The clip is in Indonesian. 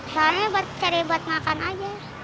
soalnya cari buat makan aja